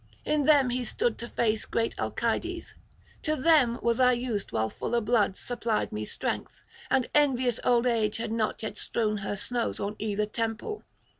In them he stood to face great Alcides; to them was I used while fuller blood supplied me strength, and envious old age had not yet strewn her snows on either temple.